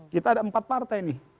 kita ada empat partai nih